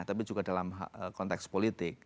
tapi juga dalam konteks politik